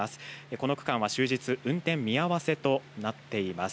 この区間は終日、運転見合わせとなっています。